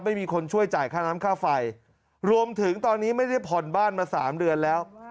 ไม่มีคนช่วยจ่ายค่าน้ำค่าไฟรวมถึงตอนนี้ไม่ได้ผ่อนบ้านมาสามเดือนแล้ว